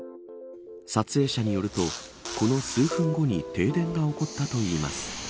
撮影者によるとこの数分後に停電が起こったといいます。